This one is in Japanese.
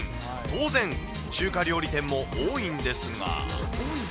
当然、中華料理店も多いんですが。